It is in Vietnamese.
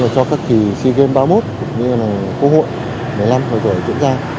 cho các thí si game ba mươi một cũng như là khu hội một mươi năm hồi tuổi chuyển ra